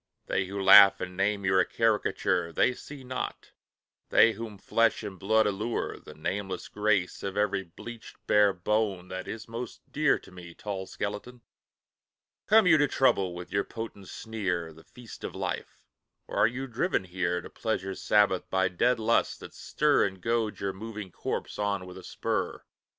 they Who laugh and name you a Caricature, They see not, they whom flesh and blood allure, The nameless grace of every bleached, bare bone That is most dear to me, tall skeleton! Come you to trouble with your potent sneer The feast of Life! or are you driven here, To Pleasure's Sabbath, by dead lusts that stir And goad your moving corpse on with a spur?